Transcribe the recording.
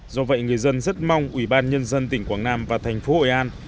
do vậy người dân rất mong ủy ban nhân dân tỉnh quảng nam và thành phố hội an